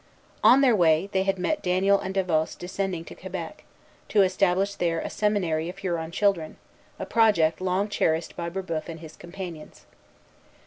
On their way, they had met Daniel and Davost descending to Quebec, to establish there a seminary of Huron children, a project long cherished by Brébeuf and his companions.